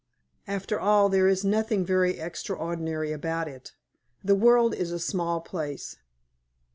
"After all, there is nothing very extraordinary about it. The world is a small place."